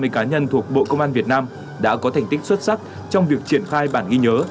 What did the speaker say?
hai mươi cá nhân thuộc bộ công an việt nam đã có thành tích xuất sắc trong việc triển khai bản ghi nhớ